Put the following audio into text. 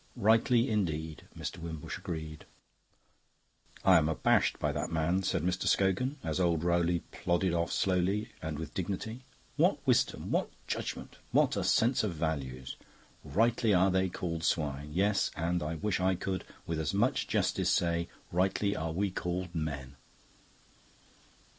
"Rightly indeed," Mr. Wimbush agreed. "I am abashed by that man," said Mr. Scogan, as old Rowley plodded off slowly and with dignity. "What wisdom, what judgment, what a sense of values! 'Rightly are they called swine.' Yes. And I wish I could, with as much justice, say, 'Rightly are we called men.